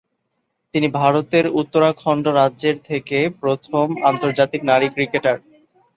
তিনি ভারতের উত্তরাখণ্ড রাজ্যের থেকে প্রথম আন্তর্জাতিক নারী ক্রিকেটার।